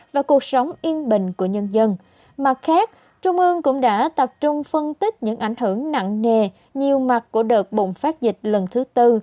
các bạn đã tập trung phân tích những ảnh hưởng nặng nề nhiều mặt của đợt bùng phát dịch lần thứ tư